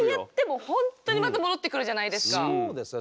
そうですね。